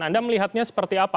anda melihatnya seperti apa